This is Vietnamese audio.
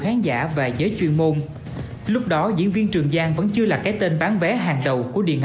khán giả và giới chuyên môn lúc đó diễn viên trường giang vẫn chưa là cái tên bán vé hàng đầu của điện